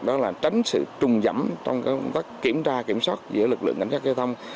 đó là tránh sự trùng dẫm trong kiểm tra kiểm soát giữa lực lượng cảnh sát giao thông